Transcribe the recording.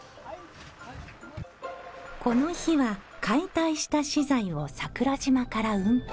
この日は解体した資材を桜島から運搬。